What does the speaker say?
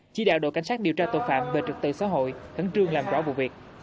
chỉ đạo đội cảnh sát điều tra tội phạm về trực tự xã hội khẩn trương làm rõ vụ việc